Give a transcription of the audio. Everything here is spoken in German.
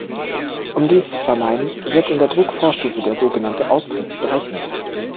Um dies zu vermeiden, wird in der Druckvorstufe der so genannte Austrieb berechnet.